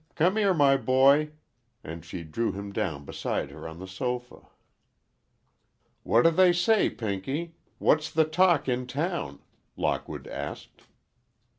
Come here, my boy," and she drew him down beside her on the sofa. "What do they say, Pinky? What's the talk in town?" Lockwood asked.